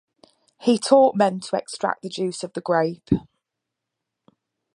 He taught men to extract the juice of the grape.